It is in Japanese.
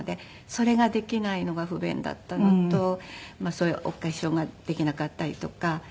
それができないのが不便だったのとそういうお化粧ができなかったりとか。